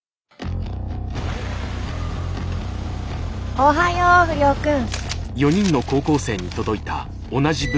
おはよう不良くん！